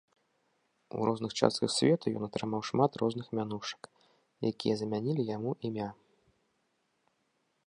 У розных частках свету ён атрымаў шмат розных мянушак, якія замянілі яму імя.